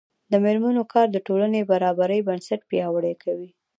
د میرمنو کار د ټولنې برابرۍ بنسټ پیاوړی کوي.